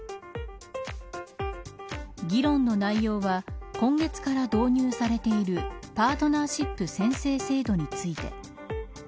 議論の内容は今月から導入されているパートナーシップ宣誓制度について。